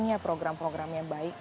ya program programnya baik